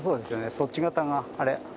そっち方があれ。